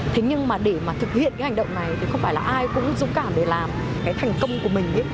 thế nhưng mà để mà thực hiện cái hành động này thì không phải là ai cũng dũng cảm để làm cái thành công của mình